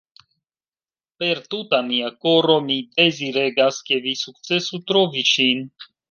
Per tuta mia koro mi deziregas, ke vi sukcesu trovi ŝin.